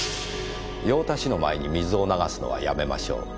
「用足しの前に水を流すのはやめましょう」